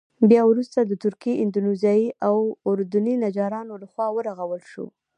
بیا وروسته د تركي، اندونيزيايي او اردني نجارانو له خوا ورغول شو.